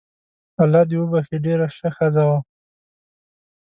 الله دي وبخښي ډیره شه ښځه وو